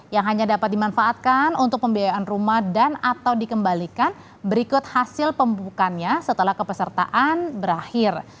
yang hanya dapat dimanfaatkan untuk pembiayaan rumah dan atau dikembalikan berikut hasil pembukanya setelah kepesertaan berakhir